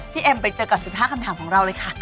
เอ็มไปเจอกับ๑๕คำถามของเราเลยค่ะ